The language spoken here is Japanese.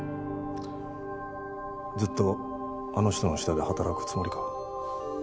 ずっとあの人の下で働くつもりか？